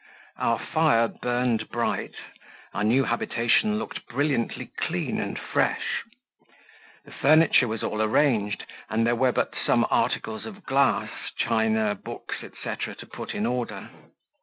Our fire burned bright, our new habitation looked brilliantly clean and fresh, the furniture was all arranged, and there were but some articles of glass, china, books, &c., to put in order.